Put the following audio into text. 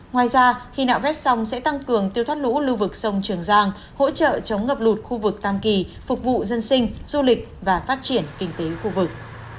ngoài ra khi nạo vét sông sẽ tăng cường tiêu thoát lũ lưu vực sông trường giang hỗ trợ chống ngập lụt khu vực tam kỳ phục vụ dân sinh du lịch và phát triển kinh tế khu vực